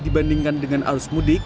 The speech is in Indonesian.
dibandingkan dengan arus mudik